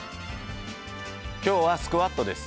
今日はスクワットです。